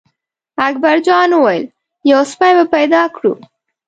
اکبر جان وویل: یو سپی به پیدا کړو.